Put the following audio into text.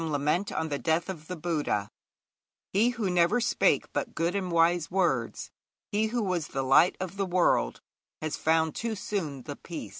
CHAPTER III HE WHO FOUND THE LIGHT II 'He who never spake but good and wise words, he who was the light of the world, has found too soon the Peace.'